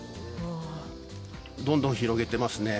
どんどん広げてますね。